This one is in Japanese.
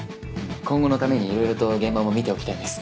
今後のためにいろいろと現場も見ておきたいんです。